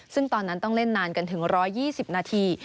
ซึ่งตอนนั้นต้องเล่นนานกันถึง๑๒๐นาที